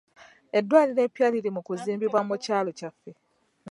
Eddwaliro eppya liri mu kuzimbibwa mu kyalo kyaffe.